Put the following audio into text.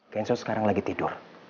genzo sekarang lagi tidur